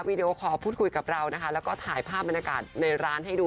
วิดีโอคอร์พูดคุยกับเรานะคะแล้วก็ถ่ายภาพบรรยากาศในร้านให้ดู